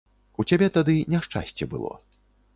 У цябе тады няшчасце было.